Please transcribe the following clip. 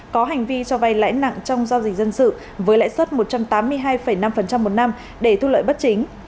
có hành vi cho vay lãi nặng trong giao dịch dân sự với lãi suất một trăm tám mươi hai năm một năm để thu lợi bất chính